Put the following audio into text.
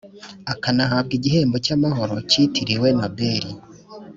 akanahabwa igihembo cy'amahoro cyitiriwe nobel